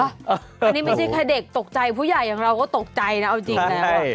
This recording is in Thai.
อันนี้ไม่ใช่แค่เด็กตกใจผู้ใหญ่อย่างเราก็ตกใจนะเอาจริงแล้ว